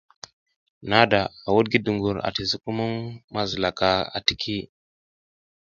Nada a wuɗ ngi dugur ati sukumuŋ ma zila ka atiki.